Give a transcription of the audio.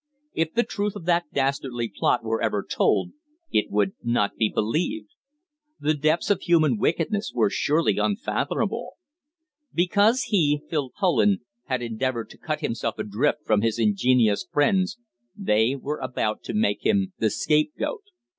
If the truth of that dastardly plot were ever told, it would not be believed. The depths of human wickedness were surely unfathomable. Because he, Phil Poland, had endeavoured to cut himself adrift from his ingenious friends, they were about to make him the scapegoat.